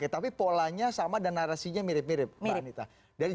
tapi polanya sama dan narasinya mirip mirip